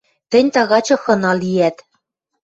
Тӹнь тагачы хына лиӓт...